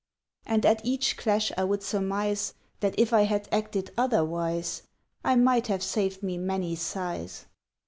And at each clash I would surmise That if I had acted otherwise I might have saved me many sighs.